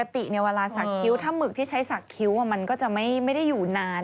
เที่ยวการสักและสักยันในอีกตัว